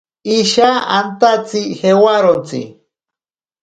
Isha antatsi jewarontsi.